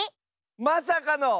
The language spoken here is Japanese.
まさかの。